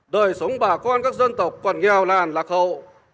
đời sống bà con các dân tộc còn nghèo làn lạc hậu